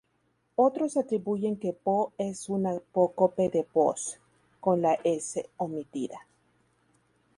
Otros atribuyen que vo es un apócope de "vos", con la "s" omitida.